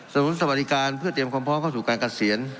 นุนสวัสดิการเพื่อเตรียมความพร้อมเข้าสู่การเกษียณ